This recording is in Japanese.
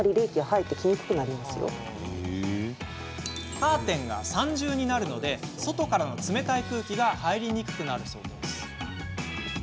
カーテンが３重になるので外からの冷たい空気が入りにくくなるそうです。